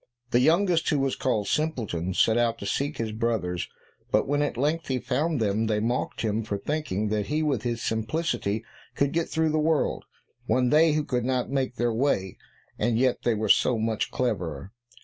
The youngest, who was called Simpleton, set out to seek his brothers, but when at length he found them they mocked him for thinking that he with his simplicity could get through the world, when they two could not make their way, and yet were so much cleverer.